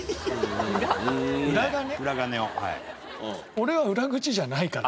俺は裏口じゃないから。